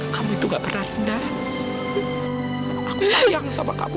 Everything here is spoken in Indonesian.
kamu itu gak pernah rendah aku sayang sama kamu